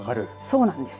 そうなんです。